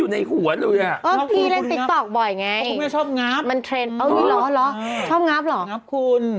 เอ้านี่เหรอชอบงับเหรองับคุณ